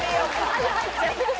あゆ入っちゃう。